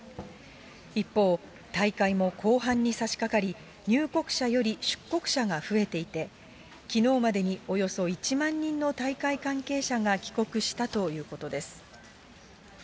一方、大会も後半に差しかかり、入国者より出国者が増えていて、きのうまでにおよそ１万人の大会関係者が帰国したということです。